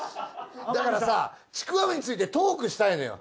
だからさちくわぶについてトークしたいのよ。